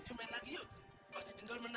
amin ya tuhan